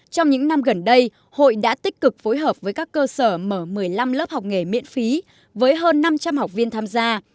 trong những năm gần đây hội đã tích cực phối hợp với các cơ sở mở một mươi năm lớp học nghề miễn phí với hơn năm trăm linh học viên tham gia